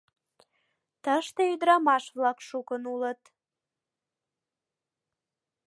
— Тыште ӱдырамаш-влак шукын улыт.